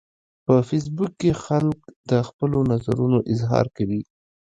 په فېسبوک کې خلک د خپلو نظرونو اظهار کوي